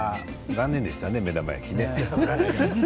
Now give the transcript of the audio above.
残念でしたね、目玉焼き。